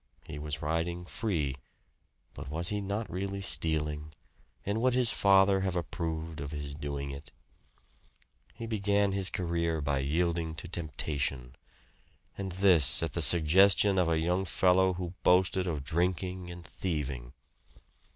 He was riding free; but was he not really stealing? And would his father have approved of his doing it? He had begun his career by yielding to temptation! And this at the suggestion of a young fellow who boasted of drinking and thieving!